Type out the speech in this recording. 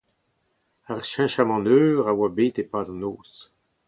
Ar cheñchamant eur a oa bet e-pad an noz.